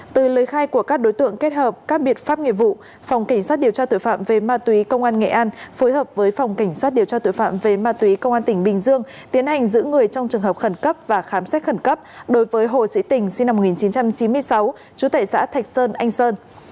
từ lời khai của các đối tượng kết hợp các biện pháp nghiệp vụ phòng cảnh sát điều tra tội phạm về ma túy công an nghệ an phối hợp với phòng cảnh sát điều tra tội phạm về ma túy công an tỉnh bình dương tiến hành giữ người trong trường hợp khẩn cấp và khám xét khẩn cấp đối với hồ sĩ tình sinh năm một nghìn chín trăm chín mươi sáu chú tệ xã thạch sơn anh sơn